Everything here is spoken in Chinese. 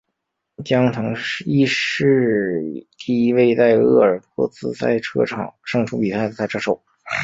江腾一是第一位在鄂尔多斯赛车场胜出比赛的赛车手。